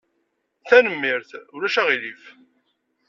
Tanemmirt. Ulac aɣilif.